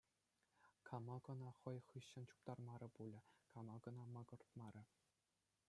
Кама кӑна хӑй хыҫҫӑн чуптармарӗ пулӗ, кама кӑна макӑртмарӗ.